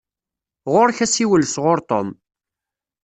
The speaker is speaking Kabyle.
Ɣuṛ-k asiwel sɣuṛ Tom.